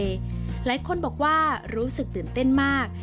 หลายคนบอกว่ารู้สึกตื่นเต้นมาก